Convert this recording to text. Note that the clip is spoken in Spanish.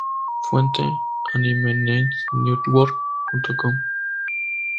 Fuente: "Animenewsnetwork.com"